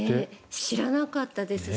知らなかったです。